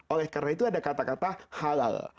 oleh karena itu ada kata kata halal